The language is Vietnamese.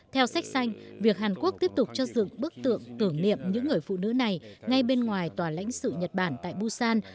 theo sách xanh việc hàn quốc tiếp tục cho dựng bức tượng tưởng niệm những người phụ nữ này ngay bên ngoài tòa lãnh sự nhật bản tại busan